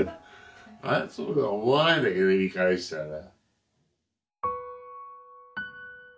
そうとは思わないんだけど見返したら。